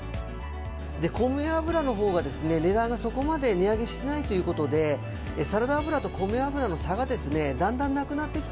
米油のほうが、値段がそこまで値上げしていないということで、サラダ油と米油の差がですね、だんだんなくなってきた。